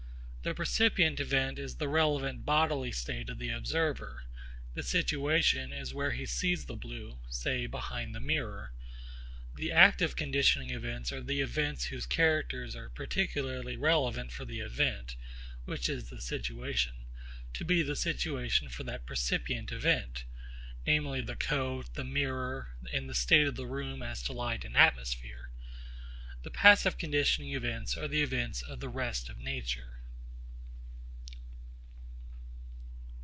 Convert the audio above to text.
The percipient event is the relevant bodily state of the observer. The situation is where he sees the blue, say, behind the mirror. The active conditioning events are the events whose characters are particularly relevant for the event (which is the situation) to be the situation for that percipient event, namely the coat, the mirror, and the state of the room as to light and atmosphere. The passive conditioning events are the events of the rest of nature.